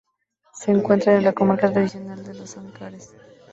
Se encuentra en la comarca tradicional de los Ancares.